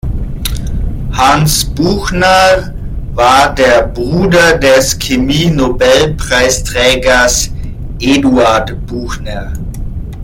Hans Buchner war der Bruder des Chemie-Nobelpreisträgers Eduard Buchner.